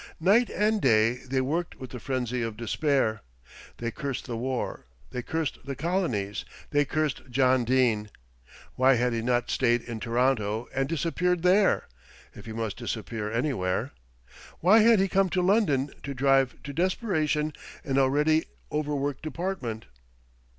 Night and day they worked with the frenzy of despair. They cursed the war, they cursed the colonies, they cursed John Dene. Why had he not stayed in Toronto and disappeared there, if he must disappear anywhere. Why had he come to London to drive to desperation an already over worked department?